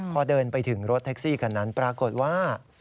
พอเดินไปถึงรถแท็กซี่คันนั้นปรากฏว่า